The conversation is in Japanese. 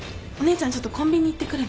ちょっとコンビニ行ってくるね。